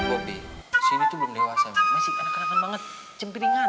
tapi bobby cindy tuh belum dewasa mi masih anak anak banget cempiringan